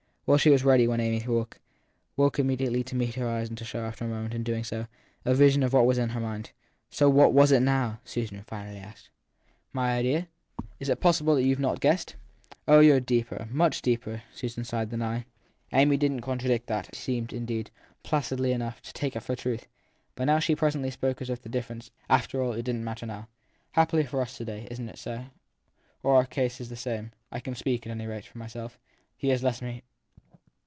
Well, she was ready when Amy woke woke immediately to meet her eyes and to show, after a moment, in doing so, a vision of what was in her mind. What was it now ? Susan finally said. My idea ? Is it possible you ve not guessed ? i Oh, you re deeper, much deeper, Susan sighed, ( than I. Amy didn t contradict that seemed indeed, placidly enough, to take it for truth ; but she presently spoke as if the differ ence, after all, didn t matter now. Happily for us to day isn t it so ? our case is the same. I can speak, at any rate, for myself. He has left me.